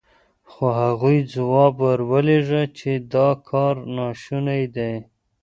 خو هغوی ځواب ور ولېږه چې دا کار ناشونی دی.